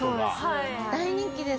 大人気です。